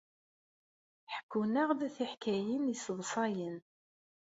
Ḥekkun-aɣ-d tiḥkayin yesseḍsayen.